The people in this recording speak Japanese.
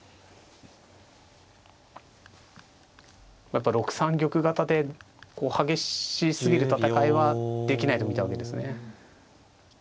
やっぱ６三玉型で激しすぎる戦いはできないと見たわけですね。